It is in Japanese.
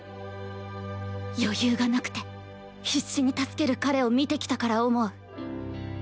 余裕がなくて必死に助ける彼を見てきたから思う。